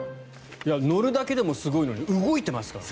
乗るだけでもすごいのに動いてますからね。